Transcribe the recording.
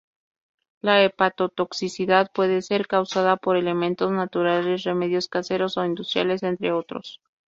La hepatotoxicidad puede ser causada por elementos naturales, remedios caseros o industriales, entre otros.